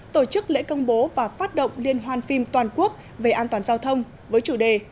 tổ chức lễ công bố và phát động liên hoan phim toàn quốc về an toàn giao thông với chủ đề